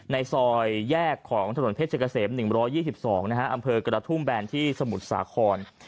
ในซอยแยกของถนนเพชรเกษม๑๒๒อำเภอกระทุ่มแบนที่สมุทรสาคร